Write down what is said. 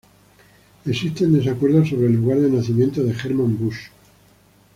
Existen desacuerdos sobre el lugar de nacimiento de Germán Busch.